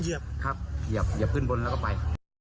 เหยียบครับเหยียบขึ้นบนแล้วก็ไป